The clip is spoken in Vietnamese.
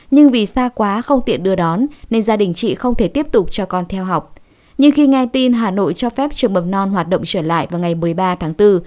nhưng khi nghe tin hà nội cho phép trường mầm non hoạt động trở lại vào ngày một mươi ba tháng bốn